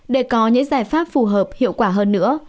để có những giải pháp phù hợp hiệu quả hơn nữa